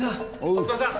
お疲れさん。